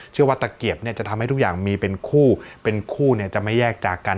ตะเกียบจะทำให้ทุกอย่างมีเป็นคู่เป็นคู่จะไม่แยกจากกัน